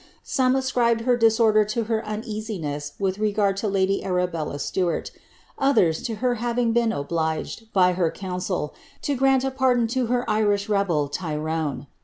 Some ascribed her disorder to her uneasi neM with regard to lady Arabella Stuart ; others, to her having been obliged, by her council, to grant a pardon to her Irish rebel, Tyrone.